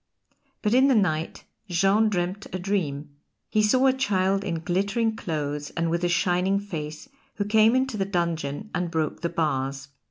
But in the night Jean dreamed a dream: he saw a child in glittering clothes and with a shining face who came into the dungeon and broke the bars.